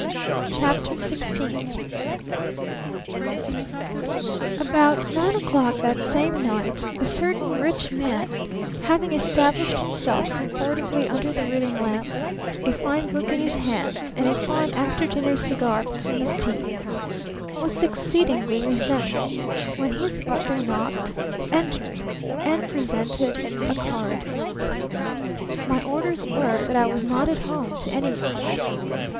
CHAPTER XVI About nine o'clock that same night a certain rich man, having established himself comfortably under the reading lamp, a fine book in his hands and a fine after dinner cigar between his teeth, was exceedingly resentful when his butler knocked, entered, and presented a card. "My orders were that I was not at home to any one."